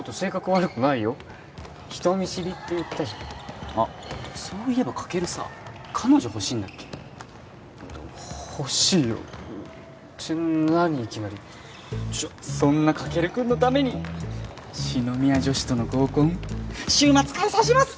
悪くないよ人見知りって言ったじゃんあっそういえばカケルさ彼女ほしいんだっけほしいよって何いきなりちょっそんなカケル君のために篠宮女子との合コン週末開催します！